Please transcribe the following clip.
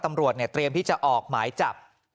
ตำรวจน่ะเตรียมสมมุติที่จะออกหมายจับ